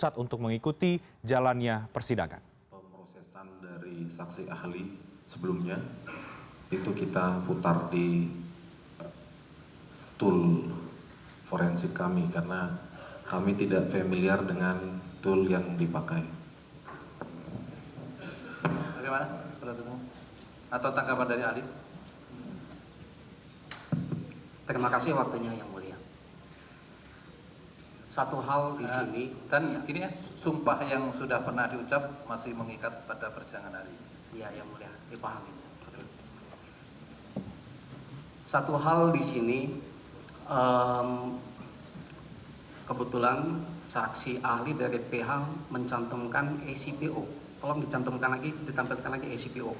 tolong dicantumkan lagi ditampilkan lagi acpo